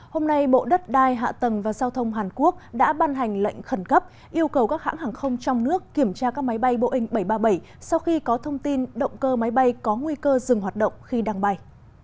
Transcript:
hôm nay bộ đất đai hạ tầng và giao thông hàn quốc đã ban hành lệnh khẩn cấp yêu cầu các hãng hàng không trong nước kiểm tra các máy bay boeing bảy trăm ba mươi bảy sau khi có thông tin động cơ máy bay có nguy cơ dừng hoạt động khi đang bay